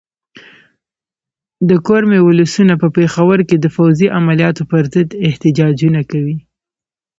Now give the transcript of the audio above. د کرمې ولسونه په پېښور کې د فوځي عملیاتو پر ضد احتجاجونه کوي.